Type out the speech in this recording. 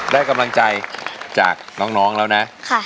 ได้กำลังใจจากน้องแล้วนะ